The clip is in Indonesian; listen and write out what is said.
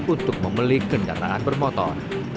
untuk membeli kendaraan bermotor